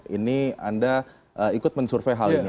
ini anda ikut mensurvey hal ini